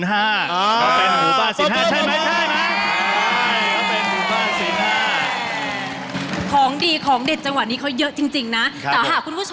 เป็นหูบ้านเสียงฮาสใช่ไหมใช่มั้ย